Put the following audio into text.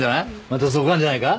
またそこあんじゃないか？